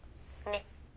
ねっ」